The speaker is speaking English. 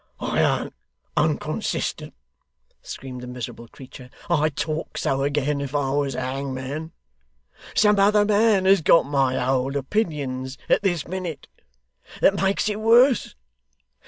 'I an't unconsistent,' screamed the miserable creature; 'I'd talk so again, if I was hangman. Some other man has got my old opinions at this minute. That makes it worse.